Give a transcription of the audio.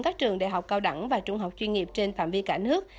các trường đại học cao đẳng và trung học chuyên nghiệp trên phạm vi cả nước